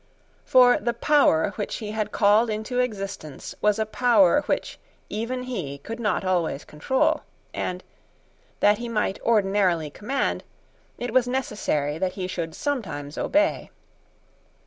For the power which he had called into existence was a power which even he could not always control; and, that he might ordinarily command, it was necessary that he should sometimes obey.